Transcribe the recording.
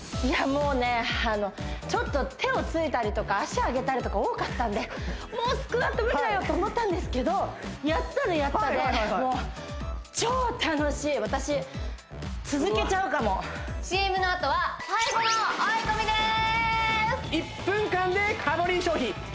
もうねちょっと手をついたりとか足上げたりとか多かったんでもうスクワット無理だよと思ったんですけどやったらやったでもう超楽しい私続けちゃうかもＣＭのあとは最後の追い込みです